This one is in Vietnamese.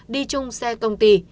đi chung xe công ty